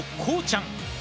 こうちゃん！